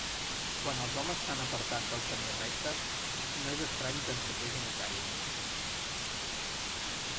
Quan els homes s'han apartat del camí recte, no és estrany que ensopeguen i caiguen.